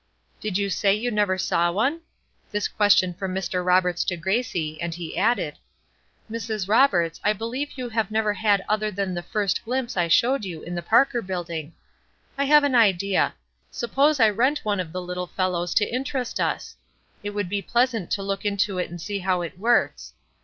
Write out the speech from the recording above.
"Did you say you never saw one?" This question from Mr. Roberts to Gracie, and he added: "Mrs. Roberts, I believe you have never had other than the first glimpse I showed you in the Parker Building. I have an idea. Suppose I rent one of the little fellows to interest us? It would be pleasant to look into it and see how it works.